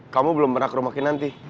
kamu belum pernah ke rumah kinanti